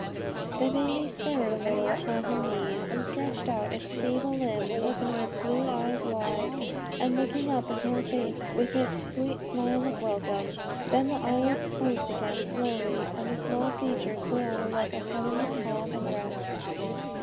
The baby stirred a little upon her knees, and stretched out its feeble limbs, opening its blue eyes wide and looking up into her face with its sweet smile of welcome. Then the eyelids closed again slowly, and the small features put on a look of heavenly calm and rest.